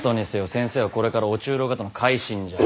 先生はこれから御中臈方の回診じゃ。